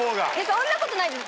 そんなことないです